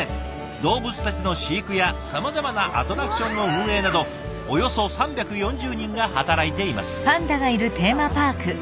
動物たちの飼育やさまざまなアトラクションの運営などおよそ３４０人が働いています。